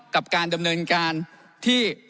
กับการดำเนินการที่